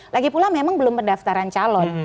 lagipula memang belum pendaftaran calon